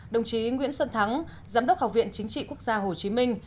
đồng chí nguyễn xuân thắng giám đốc học viện chính trị quốc gia hồ chí minh